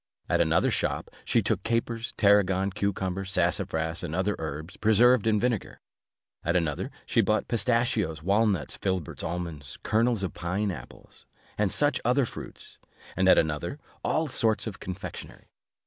At another shop, she took capers, tarragon, cucumbers, sassafras, and other herbs, preserved in vinegar: at another, she bought pistachios, walnuts, filberts, almonds, kernels of pine apples, and such other fruits; and at another, all sorts of confectionery.